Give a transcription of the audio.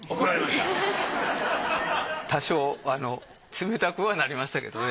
多少冷たくはなりましたけどね。